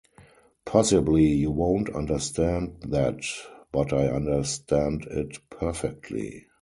Possibly you won't understand that, but I understand it perfectly.